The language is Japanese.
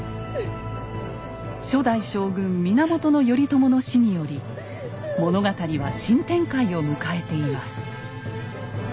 初代将軍源頼朝の死により物語は新展開を迎えています。